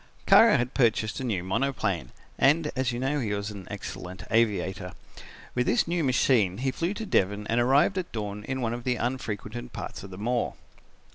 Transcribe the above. "Kara had purchased a new monoplane and as you know he was an excellent aviator. With this new machine he flew to Devon and arrived at dawn in one of the unfrequented parts of the moor.